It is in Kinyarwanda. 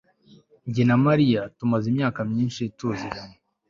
jye na mariya tumaze imyaka myinshi tuziranye